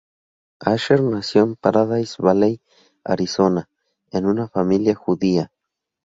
Asher nació en Paradise Valley, Arizona, en una familia judía.